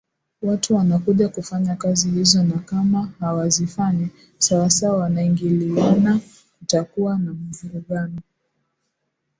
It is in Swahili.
watu wanakuja kufanya kazi hizo na kama hawazifanyi sawa sawa wanaingiliana kutakuwa na mvurungano